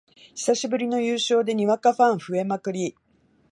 久しぶりの優勝でにわかファン増えまくり